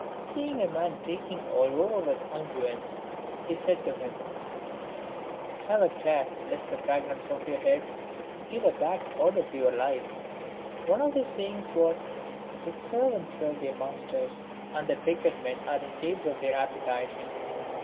" Seeing a man reeking all over with unguents, he said to him, " Have a care, lest the fragrance of your head give a bad odour to your life." One of his sayings was, that servants serve their masters, and that wicked men are the slaves of their appetites.